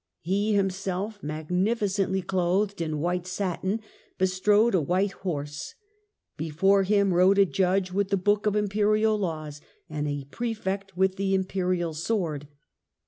He himself, magnificently clothed in white satin, bestrode a white horse; before him rode a judge with the book of Imperial laws, and a prefect with the Imperial sword.